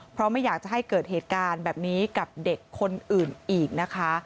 เพราะไม่อยากจะให้เกิดเหตุการณ์แบบนี้กับเด็กคนอื่นอีกนะคะ